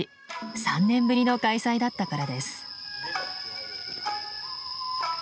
３年ぶりの開催だったからです。